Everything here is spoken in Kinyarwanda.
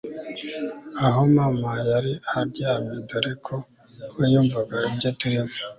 aho mama yari aryamye dore ko we yumvaga ibyo turimo